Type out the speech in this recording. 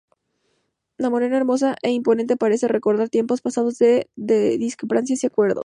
La morera, hermosa e imponente, parece recordar tiempos pasados de discrepancias y acuerdos.